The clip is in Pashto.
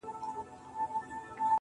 د ټپې په رزم اوس هغه ده پوه سوه~